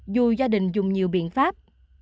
dù gia đình dùng nhiều biện pháp